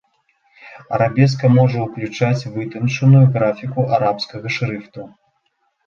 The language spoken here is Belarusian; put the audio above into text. Арабеска можа ўключаць вытанчаную графіку арабскага шрыфту.